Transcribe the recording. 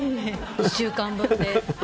１週間分で。